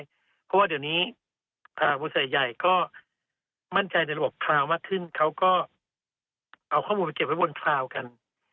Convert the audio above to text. เพราะว่าเดี๋ยวนี้บริษัทใหญ่ก็มั่นใจในระบบคราวมากขึ้นเขาก็เอาข้อมูลไปเก็บไว้บนคราวกัน